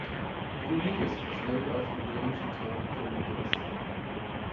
Krinides was named after the ancient town Crenides.